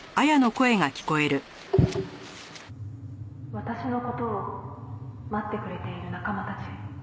「私の事を待ってくれている仲間たち」